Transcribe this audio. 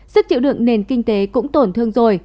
sức chịu đựng nền kinh tế cũng tổn thương rồi